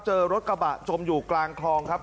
เจอรถกระบะจมอยู่กลางคลองครับ